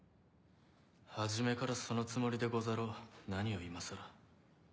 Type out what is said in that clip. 初めからそのつもりでござろう何を今更。